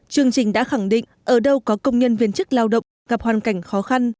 chương trình đã khẳng định ở đâu có công nhân viên chức lao động gặp hoàn cảnh khó khăn